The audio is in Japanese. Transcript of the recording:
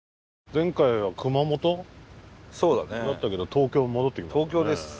前回は熊本？だったけど東京に戻ってきましたね。